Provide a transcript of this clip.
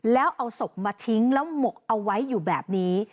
แล้วเอาศพมาทิ้งแล้วหมกเอาไว้อยู่แบบนี้